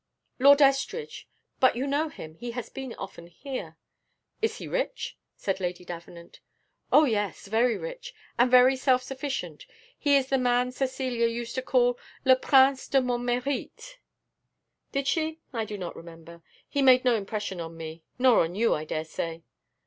"Lord Estridge: but you know him he has been often here." "Is he rich?" said Lady Davenant. "Oh yes, very rich, and very self sufficient: he is the man Cecilia used to call 'Le prince de mon mérite.'" "Did she? I do not remember. He made no impression on me, nor on you, I dare say."